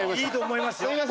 いいと思いますよ。